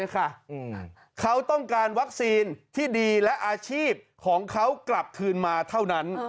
เขาต้องการวัคซีนที่ดีและอาชีพของเขากลับคืนมาเท่านั้น